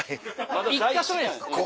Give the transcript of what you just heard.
１か所目なんです